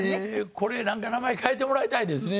これなんか名前変えてもらいたいですね。